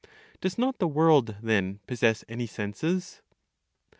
Does not the world, then, possess any senses?